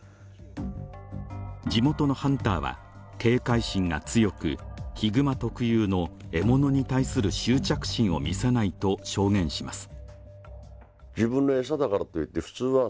地元のハンターは、警戒心が強く、ヒグマ特有の獲物に対する執着心を見せないと証言します。